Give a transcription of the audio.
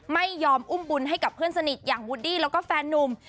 ไม่ยอมอุ้มบุญให้กับเพื่อนสนิทอย่างวูดดี้แล้วก็แฟนนุ่ม